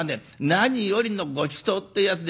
何よりのごちそうっていうやつで。